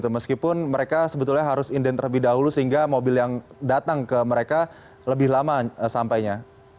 meskipun mereka sebetulnya harus inden terlebih dahulu sehingga mobil yang datang ke mereka lebih lama sampainya